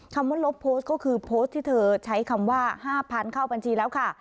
คำว่าลบโพสต์ก็คือโพสต์ที่เธอใช้คำว่า๕๐๐๐เข้าบัญชีแล้วค่ะ